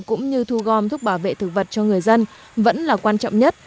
cũng như thu gom thuốc bảo vệ thực vật cho người dân vẫn là quan trọng nhất